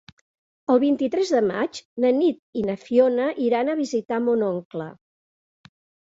El vint-i-tres de maig na Nit i na Fiona iran a visitar mon oncle.